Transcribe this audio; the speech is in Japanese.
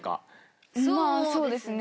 まあそうですね。